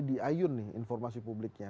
diayun nih informasi publiknya